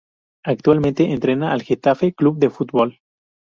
Actualmente entrena al Getafe Club de Fútbol.